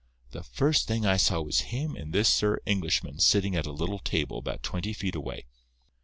The first thing I saw was him and this Sir Englishman sitting at a little table about twenty feet away.